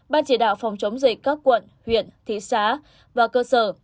ban chỉ đạo phòng chống dịch các quận huyện thị xã và cơ sở